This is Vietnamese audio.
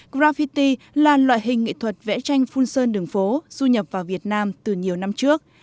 graffiti là loại hình nghệ thuật vẽ tranh phun sơn đường phố du nhập vào việt nam từ nhiều năm trước